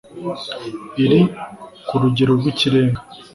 iri ku rugero rwikirenga